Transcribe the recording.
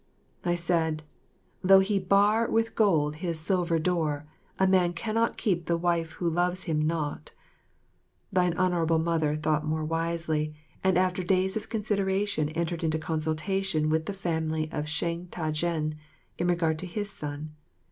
I said, "Though he bar with gold his silver door," a man cannot keep the wife who loves him not. Thine Honourable Mother thought more wisely, and after days of consideration entered into consultation with the family of Sheng Ta jen in regard to his son.